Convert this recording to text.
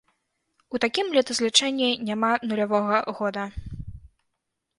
У такім летазлічэнні няма нулявога года.